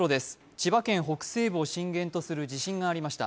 千葉県北西部を震源とする地震がありました。